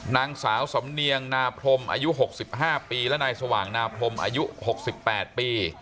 นางสาวสำเนียงนาพรมอายุ๖๕ปีและนายสว่างนาพรมอายุ๖๘ปี